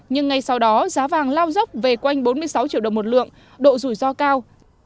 nhưng ngay sau đó giá vàng lao dốc về quanh bốn mươi sáu triệu đồng một lượng độ rủi ro cao